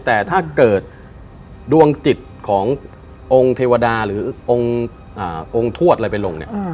แต่ถ้าเกิดดวงจิตขององค์เทวดาหรือองค์ทวดอะไรไปลงเนี่ย